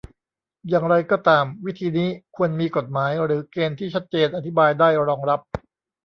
อย่างไรก็ตาม วิธีนี้ควรมีกฎหมายหรือเกณฑ์ที่ชัดเจนอธิบายได้รองรับ